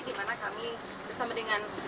dimana kami bersama dengan